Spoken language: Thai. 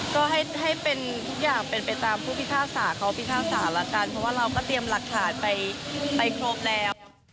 ก็ให้ทุกอย่างไปตามผู้พิทาศาเขารักกันเพราะเราก็เตรียมหลักฐานไปครบแล้ว